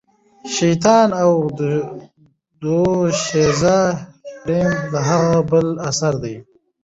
شیطان او دوشیزه پریم د هغه بل اثر دی.